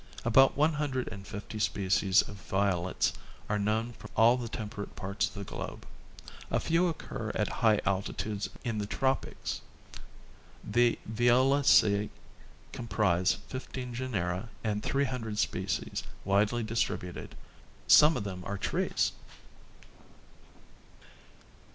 About one hundred and fifty species of violets are known from all the temperate parts of the globe. A few occur at high altitudes in the tropics. The Violaceae comprise fifteen genera and three hundred species, widely distributed ; some of them are trees.